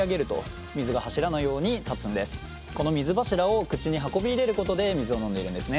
この水柱を口に運び入れることで水を飲んでいるんですね。